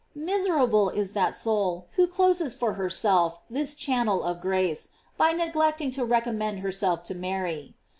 * Miserable is that soul who closes for her self this channel of grace, by neglecting to recommend herself to Mary!